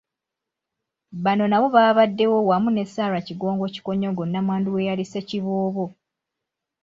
Bano nabo baabaddewo wamu ne Sarah Kigongo Kikonyogo Nnamwandu w'eyali Ssekiboobo.